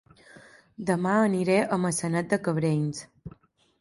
Dema aniré a Maçanet de Cabrenys